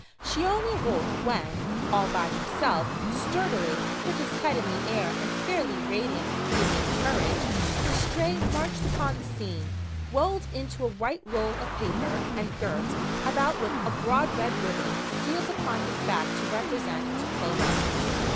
She only awoke when, all by himself, sturdily, with his head in the air and fairly radiant with beauty and courage, the Stray marched upon the scene, rolled into a white roll of paper and girt about with a broad red ribbon sealed upon his back to represent "Diploma."